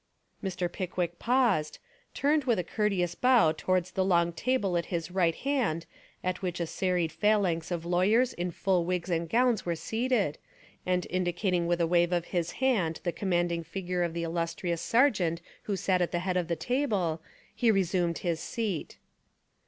Mr. Pickwick paused, turned with a courte ous bow towards the long table at his right hand at which a serried phalanx of lawyers in full wigs and gowns were seated, and indicating with a wave of his hand the commanding figure of the Illustrious Sergeant who sat at the head of the table, he resumed his seat.